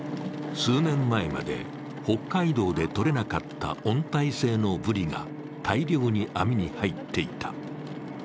数年前まで北海道でとれなかった温帯性のブリが大量に網に入っていた。